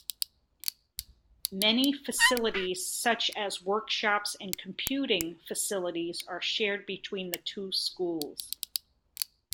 Many facilities such as workshops and computing facilities are shared between the two schools.